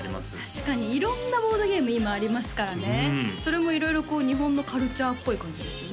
確かに色んなボードゲーム今ありますからねそれも色々こう日本のカルチャーっぽい感じですよね